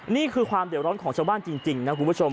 นี่คือความเดือดร้อนของชาวบ้านจริงนะคุณผู้ชม